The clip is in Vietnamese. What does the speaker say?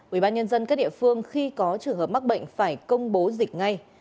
ủy ban nhân dân các địa phương khi có trường hợp mắc bệnh phải công bố dịch ngay